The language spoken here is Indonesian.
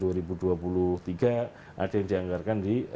ada yang dianggarkan di